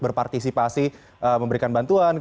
berpartisipasi memberikan bantuan